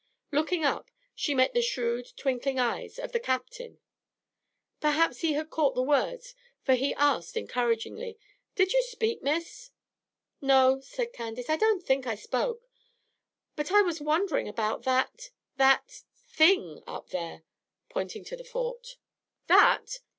Looking up, she met the shrewd, twinkling eyes of the Captain. Perhaps he had caught the words, for he asked encouragingly, "Did you speak, Miss?" "No," said Candace, "I don't think I spoke. But I was wondering about that that thing up there," pointing to the Fort. "That?